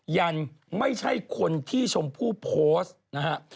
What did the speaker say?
ยันไม่ใช่คนที่ชมพู่โพสต์นะฮะ